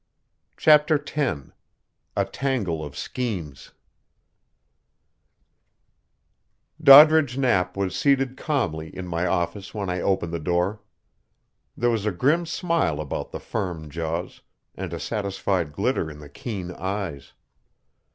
CHAPTER X A TANGLE OF SCHEMES Doddridge Knapp was seated calmly in my office when I opened the door. There was a grim smile about the firm jaws, and a satisfied glitter in the keen eyes.